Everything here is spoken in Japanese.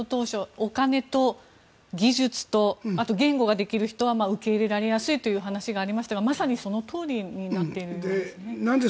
末延さん、ロシアによる侵攻当初お金と技術とあと言語ができる人は受け入れられやすいという話がありましたがまさにそのとおりになっていますね。